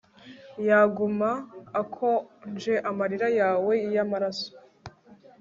yaguma akonje amarira yawe yamaraso